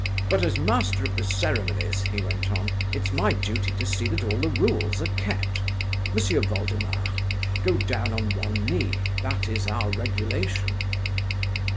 "But, as master of the ceremonies," he went on, "it's my duty to see that all the rules are kept. M'sieu Voldemar, go down on one knee. That is our regulation."